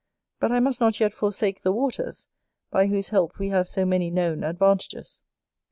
But I must not yet forsake the waters, by whose help we have so many known advantages.